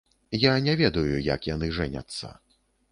Я не ведаю, як яны жэняцца.